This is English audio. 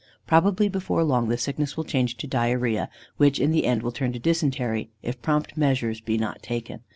Probably before long the sickness will change to diarrhœa, which in the end will turn to dysentery if prompt measures be not taken.